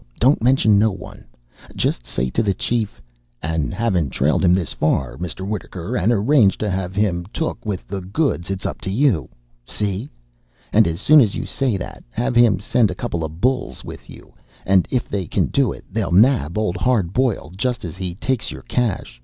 Don't mention no one. Just say to the Chief: 'And havin' trailed him this far, Mr. Wittaker, and arranged to have him took with the goods, it's up to you?' See? And as soon as you say that, have him send a couple of bulls with you, and if they can do it, they'll nab Old Hard Boiled just as he takes your cash.